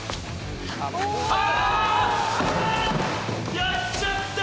やっちゃったー。